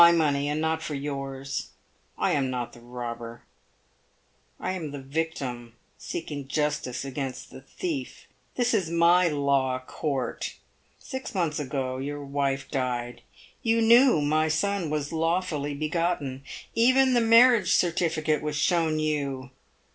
money, and not for yours. I am not the robber — I am the victim seeking justice against the thief. This is my law court. Six months ago your wife died. You knew my son was lawfully begotten. Even the marriage certificate was shown you.